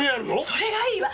それがいいわ！